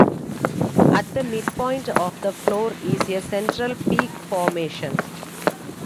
At the midpoint of the floor is a central peak formation.